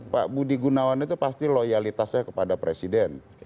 pak budi gunawan itu pasti loyalitasnya kepada presiden